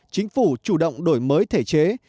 chính phủ chủ động đổi mới thể chế